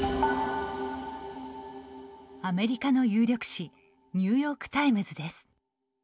アメリカの有力紙「ニューヨーク・タイムズ」です。